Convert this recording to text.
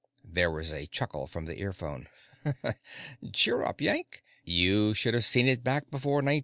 There was a chuckle from the earphone. "Cheer up, Yank; you should have seen it back before 1968.